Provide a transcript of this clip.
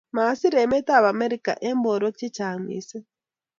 Masiir emetab Amerika eng borwek chechang mising